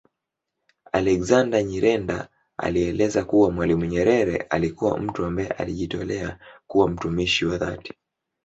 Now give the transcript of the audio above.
Alexander Nyirenda alieleza kuwa Mwalimu Nyerere alikuwa mtu ambaye alijitolea kuwa mtumishi wa dhati